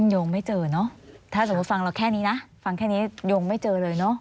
โยงไม่เจอเนอะถ้าสมมุติฟังเราแค่นี้นะฟังแค่นี้โยงไม่เจอเลยเนอะ